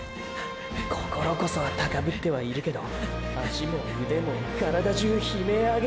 心こそは高ぶってはいるけど足もウデも体中悲鳴あげてんだ！！